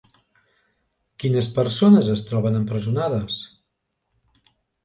Quines persones es troben empresonades?